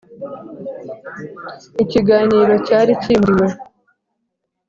ikiganiro cyari cyimuriwe.